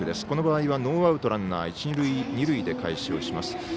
この場合はノーアウトランナー、一、二塁で開始します。